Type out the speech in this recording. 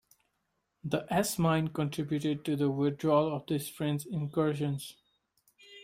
The S-mine contributed to the withdrawal of these French incursions.